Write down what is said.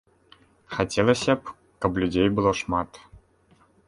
Хацелася б, каб людзей было шмат!